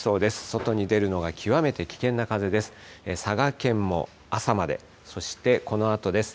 外に出るのが極めて危険な風です。